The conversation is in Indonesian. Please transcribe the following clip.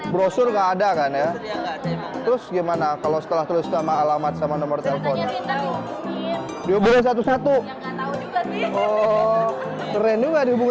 brosur gak ada kan ya terus gimana kalau setelah tulis sama alamat sama nomor telepon